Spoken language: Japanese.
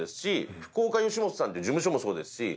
福岡吉本さんっていう事務所もそうですし。